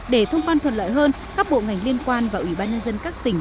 để thông quan thuận lợi hơn các bộ ngành liên quan và ủy ban nhân dân các tỉnh